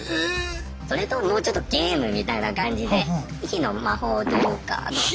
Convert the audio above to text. それともうちょっとゲームみたいな感じで「火の魔法」というか。